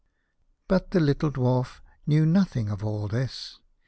But the little Dwarf knew nothing of all this.